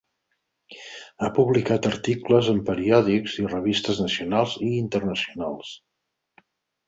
Ha publicat articles en periòdics i revistes, nacionals i internacionals.